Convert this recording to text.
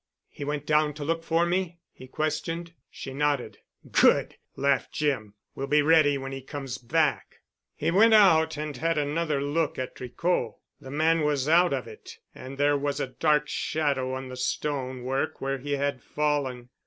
"He went down to look for me?" he questioned. She nodded. "Good," laughed Jim. "We'll be ready when he comes back." He went out and had another look at Tricot. The man was out of it and there was a dark shadow on the stone work where he had fallen.